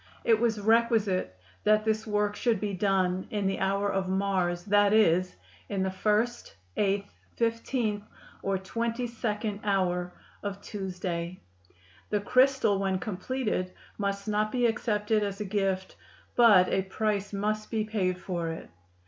It was requisite that this work should be done in the hour of Mars, that is, in the first, eighth, fifteenth or twenty second hour of Tuesday. The crystal when completed must not be accepted as a gift, but a price must be paid for it.